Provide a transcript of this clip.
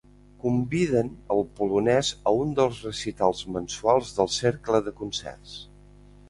Conviden el polonès a un dels recitals mensuals del cercle de concerts.